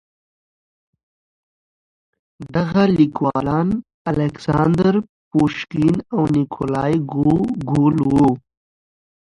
دغه ليکوالان الکساندر پوشکين او نېکولای ګوګول وو.